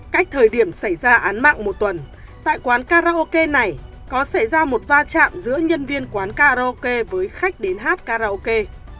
cách thời điểm xảy ra án mạng một tuần tại quán karaoke này có xảy ra một va chạm giữa nhân viên quán karaoke với nhân viên của quán karaoke